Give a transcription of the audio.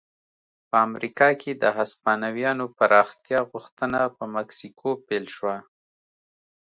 په امریکا کې د هسپانویانو پراختیا غوښتنه په مکسیکو پیل شوه.